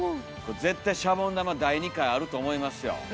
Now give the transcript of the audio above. これ絶対シャボン玉第２回あると思いますよ。